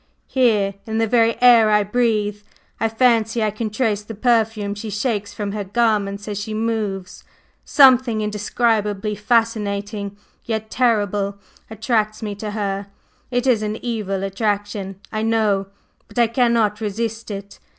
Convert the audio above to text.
Here, in the very air I breathe, I fancy I can trace the perfume she shakes from her garments as she moves; something indescribably fascinating yet terrible attracts me to her; it is an evil attraction, I know, but I cannot resist it.